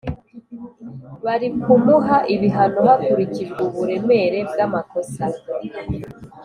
Barikumuha ibihano hakurikijwe uburemere bwamakosa